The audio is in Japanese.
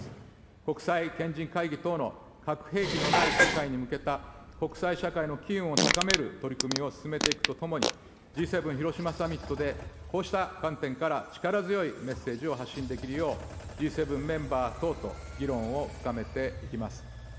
国際賢人会議等の核兵器のない世界に向けた国際社会の機運を高める取り組みを進めていくとともに、Ｇ７広島サミットでこうした観点から力強いメッセージを発信できるよう、Ｇ７メンバー等と議論を深めていきます。